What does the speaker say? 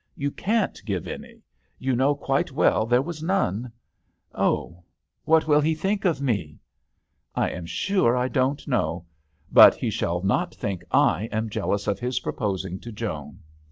" You can't give any. You know quite well there was none." " Oh 1 what will he think of me?" " I am sure I don't know ; but he shall not think I am jealous of his proposing to Joan.